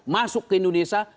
masuk ke indonesia